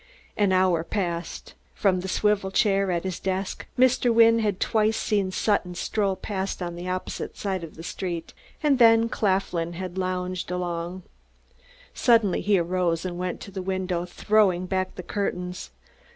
An hour passed. From the swivel chair at his desk Mr. Wynne had twice seen Sutton stroll past on the opposite side of the street; and then Claflin had lounged along. Suddenly he arose and went to the window, throwing back the curtains.